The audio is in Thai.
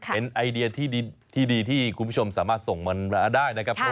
เป็นไอเดียที่ดีที่คุณผู้ชมสามารถส่งมันมาได้นะครับ